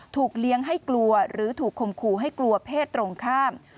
เลี้ยงให้กลัวหรือถูกคมขู่ให้กลัวเพศตรงข้าม